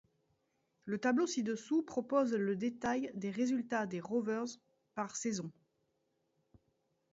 Le tableau ci-dessous propose le détail des résultats des Rovers par saison.